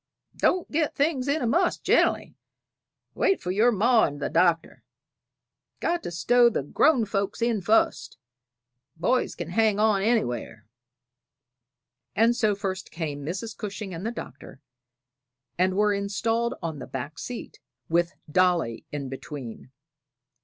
"Don't get things in a muss gen'ally; wait for your ma and the Doctor. Got to stow the grown folks in fust; boys kin hang on anywhere." And so first came Mrs. Cushing and the Doctor, and were installed on the back seat, with Dolly in between.